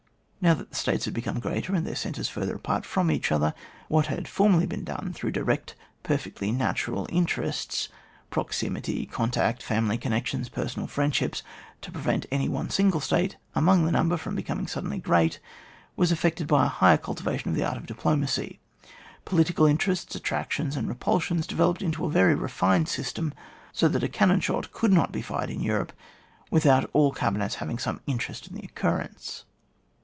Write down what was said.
Now that States had become greater, and their centres further apart from each other, what had formerly been done through direct perfectly natural in. terests, proximity, contact, family con nections, personal friendship, to prevent any one single State among the number from becoming suddenly great was ef fected by a higher cidtivation of the art of diplomacy. Political interests, attrac tions and repulsions developed into a very refined system, so that a cannon shot could not be fired in Europe without all the cabinets having some interest in the occurrence.